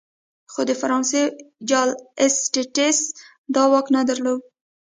خو د فرانسې جل اسټټس دا واک نه درلود.